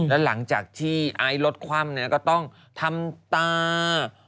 แล้วหลังจากที่ไอซ์รถคว่ำก็ต้องทำตา